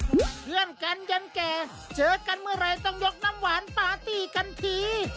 เพื่อนกันยันแก่เจอกันเมื่อไหร่ต้องยกน้ำหวานปาร์ตี้กันที